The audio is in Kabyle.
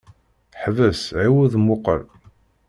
Ḥbes ɛiwed muqel.